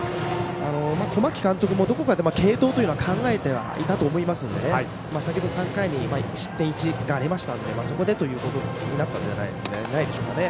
小牧監督もどこかで継投というのは考えてはいたと思いますので先ほど３回に失点１がありましたのでそこでということになったんじゃないでしょうかね。